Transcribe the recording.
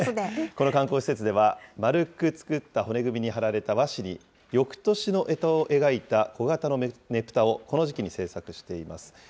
この観光施設では、丸く作った骨組みに貼られた和紙に、よくとしのえとを描いた小型のねぷたを、この時期に制作しています。